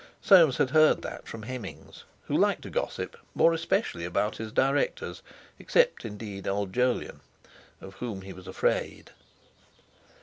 Soames had heard that from Hemmings, who liked a gossip, more especially about his directors, except, indeed, old Jolyon, of whom he was afraid.